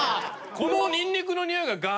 このニンニクの臭いが「我」